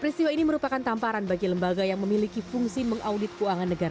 peristiwa ini merupakan tamparan bagi lembaga yang memiliki fungsi mengaudit keuangan negara